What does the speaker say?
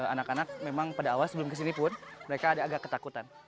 anak anak memang pada awal sebelum kesini pun mereka ada agak ketakutan